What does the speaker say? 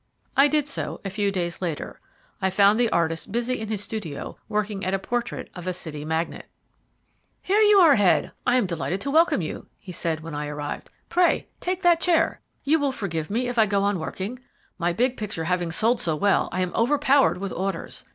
I did so a few days later. I found the artist busy in his studio working at a portrait of a City magnate. "Here you are, Head. I am delighted to welcome you," he said, when I arrived. "Pray, take that chair. You will forgive me if I go on working? My big picture having sold so well, I am overpowered with orders.